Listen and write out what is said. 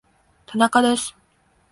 田中です